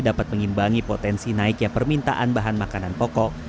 dapat mengimbangi potensi naiknya permintaan bahan makanan pokok